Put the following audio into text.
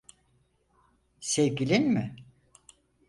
Sevgilin mi?